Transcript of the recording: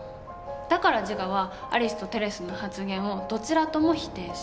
だからジガはアリスとテレスの発言をどちらとも否定した。